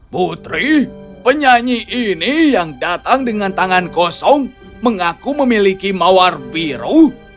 putri penyanyi ini yang datang dengan tangan kosong mengaku memiliki mawar biru